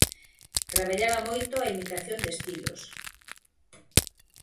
Traballaba moito a imitación de estilos.